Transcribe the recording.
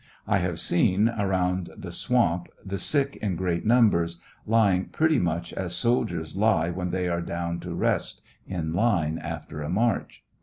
I have seen, around the swamp, the sick in great numbers, lying pretty much as soldiers lie when they are down to rest iu line after a march.